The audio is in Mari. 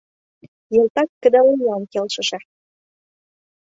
Йылтак кыдалемлан келшыше.